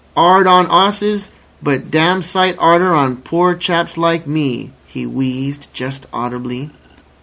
"'Ard on 'osses, but dam' sight 'arder on poor chaps like me," he wheezed just audibly.